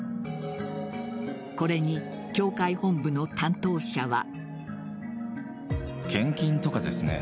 これに教会本部の担当者は。